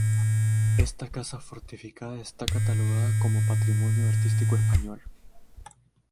Esta casa fortificada está catalogada como Patrimonio Artístico Español.